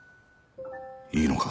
いいのか？